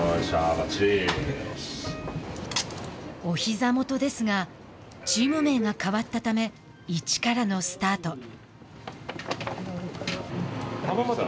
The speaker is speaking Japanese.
おひざ元ですがチーム名が変わったため一からのスタート。